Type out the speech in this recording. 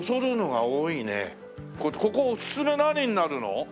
ここおすすめ何になるの？